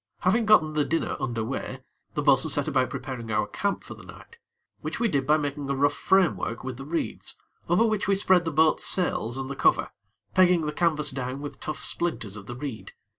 Having gotten the dinner under way, the bo'sun set about preparing our camp for the night, which we did by making a rough framework with the reeds, over which we spread the boat's sails and the cover, pegging the canvas down with tough splinters of the reed.